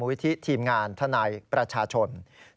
วิธีทีมงานทนายประชาชน